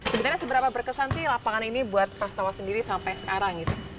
sebenarnya seberapa berkesan sih lapangan ini buat pras tawa sendiri sampai sekarang